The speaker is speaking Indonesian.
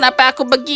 kenapa aku begitu